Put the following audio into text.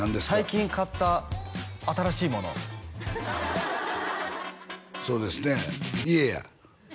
最近買った新しいものそうですね